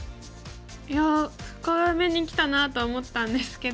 いや深めにきたなと思ったんですけど。